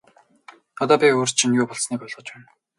Одоо би урьд шөнө юу болсныг ойлгож байна.